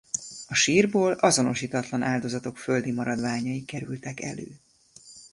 A sírból azonosítatlan áldozatok földi maradványai kerültek elő.